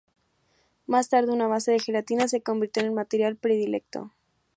Más tarde, una base de gelatina se convirtió en el material predilecto.